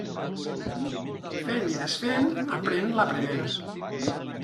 Fent i desfent aprén l'aprenent.